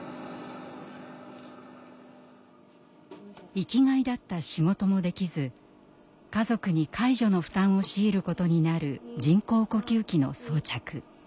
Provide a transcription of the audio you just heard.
生きがいだった仕事もできず家族に介助の負担を強いることになる人工呼吸器の装着。